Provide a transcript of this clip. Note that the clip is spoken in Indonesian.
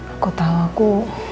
aku tau aku